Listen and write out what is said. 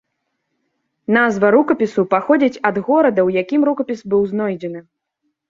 Назва рукапісу паходзіць ад горада, у якім рукапіс быў знойдзены.